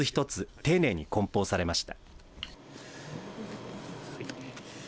丁寧に梱包されました。